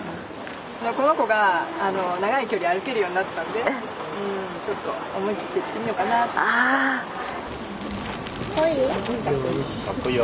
この子が長い距離歩けるようになったんでちょっと思い切って行ってみようかなと。